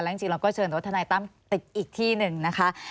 จริงเราก็เชิญรถทนายตั้มติดอีกที่หนึ่งนะคะ